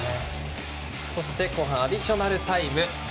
そして後半アディショナルタイム。